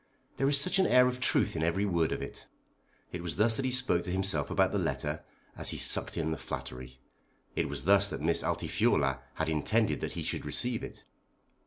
"There is such an air of truth in every word of it." It was thus that he spoke to himself about the letter as he sucked in the flattery. It was thus that Miss Altifiorla had intended that he should receive it.